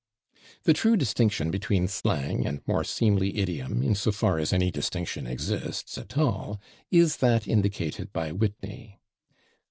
The true distinction between slang and more seemly idiom, in so far as any distinction exists at all, is that indicated by Whitney.